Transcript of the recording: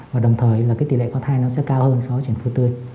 và đồng thời là cái tỷ lệ có thai nó sẽ cao hơn so với chuyển phôi tươi